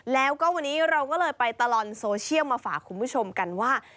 แล้วก็วันนี้เราก็เลยไปตลอดโซเชียลมาฝากคุณผู้ชมกันว่า